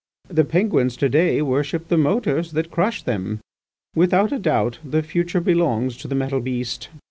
The Penguins to day worship the motors that crush them. Without a doubt the future belongs to the metal beast.